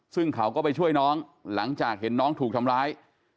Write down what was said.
ซึ่งเขาก็ไปช่วยน้องหลังจากเห็นน้องถูกทำร้าย